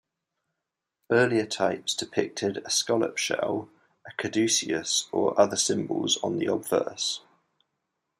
Earlier types depicted a scallop shell, a caduceus, or other symbols on the obverse.